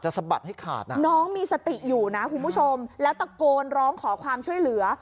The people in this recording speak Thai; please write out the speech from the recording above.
สะบัดให้ขาดนะน้องมีสติอยู่นะคุณผู้ชมแล้วตะโกนร้องขอความช่วยเหลือ